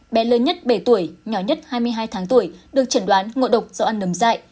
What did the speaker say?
bé lớn nhất bảy tuổi nhỏ nhất hai mươi hai tháng tuổi được chẩn đoán ngộ độc do ăn nấm dại